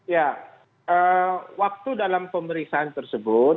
ya waktu dalam pemeriksaan tersebut